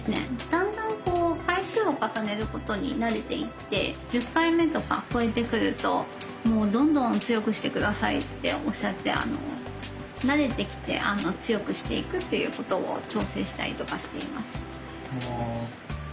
だんだん回数を重ねることに慣れていって１０回目とか超えてくるともうどんどん強くして下さいっておっしゃって慣れてきて強くしていくということを調整したりとかしています。